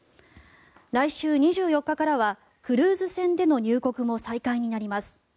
来週２４日からはクルーズ船での入国も再開になります。